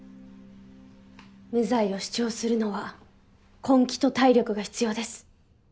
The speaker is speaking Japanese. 無罪を主張するのは根気と体力が必要です。